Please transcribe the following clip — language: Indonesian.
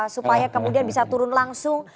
supaya kemudian bisa turun langsung